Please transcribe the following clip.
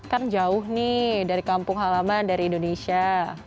kan jauh nih dari kampung halaman dari indonesia